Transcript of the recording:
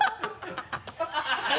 ハハハ